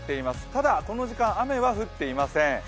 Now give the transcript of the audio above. ただ、この時間、雨は降っていません。